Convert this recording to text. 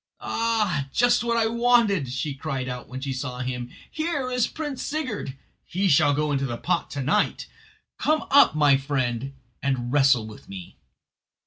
"Ah, just what I wanted!" she cried out when she saw him; "here is Prince Sigurd. He shall go into the pot to night. Come up, my friend, and wrestle with me."